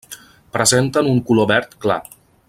Presenten un color verd clar.